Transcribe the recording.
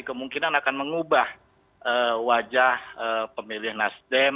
kemungkinan akan mengubah wajah pemilih nasdem